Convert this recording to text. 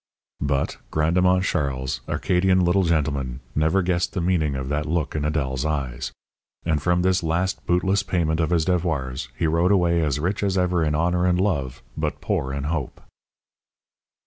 But, Grandemont Charles, Arcadian little gentleman, never guessed the meaning of that look in Adèle's eyes; and from this last bootless payment of his devoirs he rode away as rich as ever in honour and love, but poor in hope.